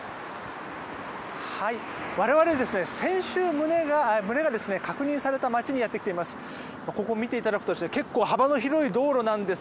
我々、先週群れが確認された街にやってきています。